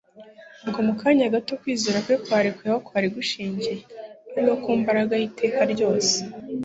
ubwo mu kanya gato kwizera kwe kwarekuye aho kwari gushingiye ari ho ku mbaraga y'iteka ryose